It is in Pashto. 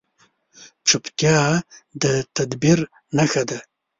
چپتیا، د تدبیر نښه ده.